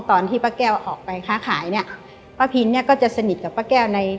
ตอนที่ป้าแก้วออกไปค้าขายเนี่ยป้าพินเนี่ยก็จะสนิทกับป้าแก้วใน